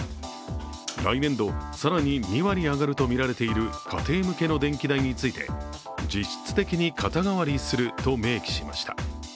来年度更に２割上がるとみられている家庭向けの電気代について実質的に肩代わりすると明記しました。